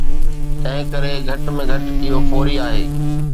تنهنڪري گهٽ ۾ گهٽ اهو فوري آهي